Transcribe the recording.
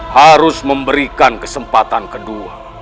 harus memberikan kesempatan kedua